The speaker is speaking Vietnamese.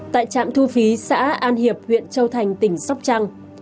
tại trạm thu phí xã an hiệp huyện châu thành tỉnh sóc trăng